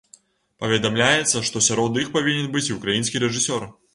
Паведамляецца, што сярод іх павінен быць і ўкраінскі рэжысёр.